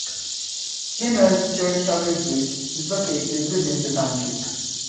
Himmel's Church Covered Bridge is located within the township.